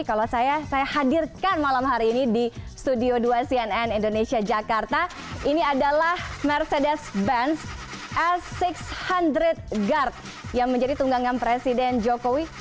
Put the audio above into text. kalau saya saya hadirkan malam hari ini di studio dua cnn indonesia jakarta ini adalah mercedes benz s enam ratus guard yang menjadi tunggangan presiden jokowi